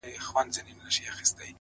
چي روږدي سوی له کوم وخته په گيلاس يمه”